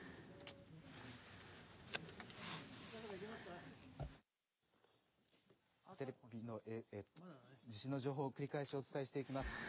地震の情報を繰り返しお伝えしていきます。